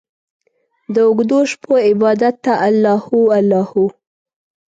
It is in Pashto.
داوږدوشپو عبادته الله هو، الله هو